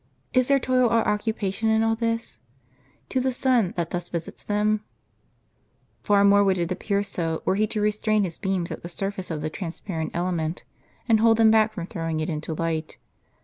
Is there toil or occupation in all this, to the sun that thus visits them ? Far more would it appear so, were he to restrain his beams at the surface of the transparent element, and hold them back from throwing it into light.